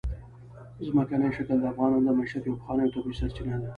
ځمکنی شکل د افغانانو د معیشت یوه پخوانۍ او طبیعي سرچینه ده.